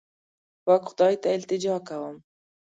پاک خدای ته التجا کوم.